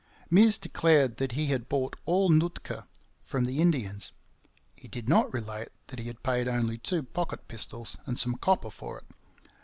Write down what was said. Meares declared that he had bought all Nootka from the Indians. He did not relate that he had paid only two pocket pistols and some copper for it.